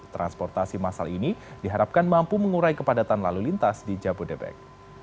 transportasi masal ini diharapkan mampu mengurai kepadatan lalu lintas di jabodebek